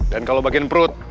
dan kalo bagian perut